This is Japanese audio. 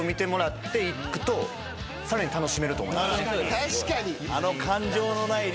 確かに。